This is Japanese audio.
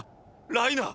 ライナー！